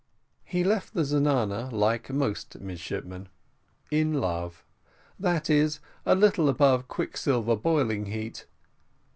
He left the zenana, like most midshipmen, in love, that is, a little above quicksilver boiling heat.